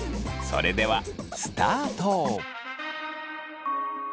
それではスタート！